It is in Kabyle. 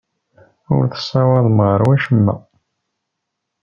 Ur tessawaḍem ɣer wacemma.